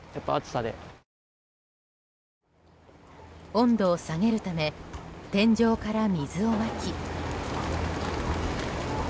温度を下げるため天井から水をまき。